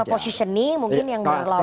atau positioning mungkin yang berlawanan